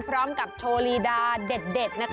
พร้อมกับโชว์ลีดาเด็ด